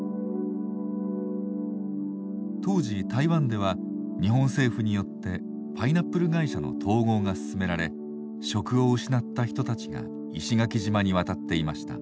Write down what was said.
当時台湾では日本政府によってパイナップル会社の統合が進められ職を失った人たちが石垣島に渡っていました。